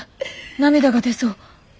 涙が出そう。